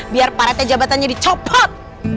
biar pak rt jabatannya dicopot